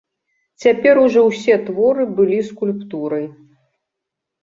Цяпер ужо ўсе творы былі скульптурай.